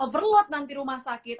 overload nanti rumah sakit